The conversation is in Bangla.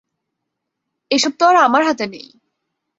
এসব তো আর আমার হাতে নেই!